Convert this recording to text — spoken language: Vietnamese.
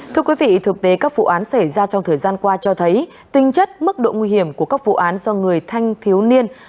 thưa quý vị thực tế các vụ án xảy ra trong thời gian qua cho thấy tinh chất mức độ nguy hiểm của các vụ án do người thanh thiếu niên